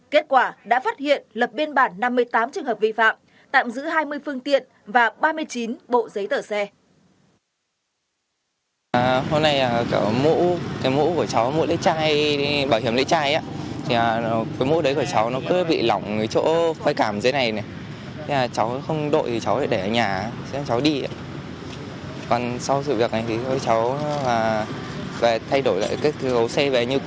kết quả đã phát hiện lập biên bản năm mươi tám trường hợp vi phạm tạm giữ hai mươi phương tiện và ba mươi chín bộ giấy tờ xe